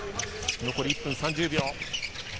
残り１分３０秒。